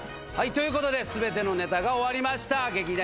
ということで全てのネタが終わりました。